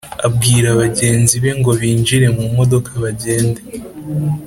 abwira bagenzi be ngo binjire mumodoka bagende